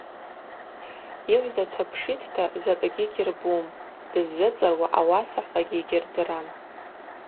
Йыгӏвзачва пшитӏта закӏгьи гьырбум, дыззыцӏыруа ауасахӏвагьи йгьырдырам.